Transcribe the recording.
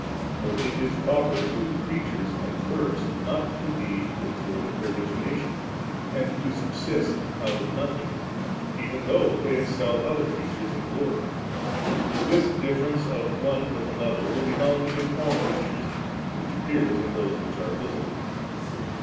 for it is proper to the creatures and works not to be before their origination, and to subsist out of nothing; even though they excel other creatures in glory; for this difference of one with another will be found in all creatures^ which appears in those which are visible ».